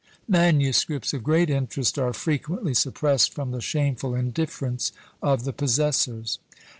Manuscripts of great interest are frequently suppressed from the shameful indifference of the possessors.